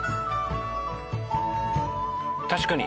確かに。